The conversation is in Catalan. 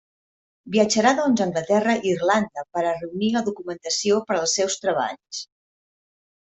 Viatjarà doncs a Anglaterra i Irlanda per a reunir la documentació per als seus treballs.